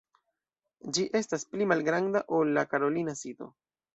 Ĝi estas pli malgranda ol la karolina sito.